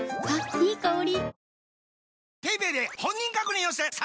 いい香り。